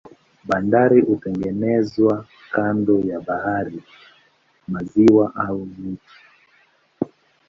Bandari hutengenezwa kando ya bahari, maziwa au mito.